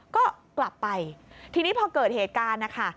ก็กลับไปทีนี้พอเกิดเหตุการณ์นะคะ